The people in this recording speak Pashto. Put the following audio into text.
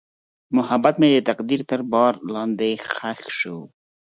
محبت مې د تقدیر تر بار لاندې ښخ شو.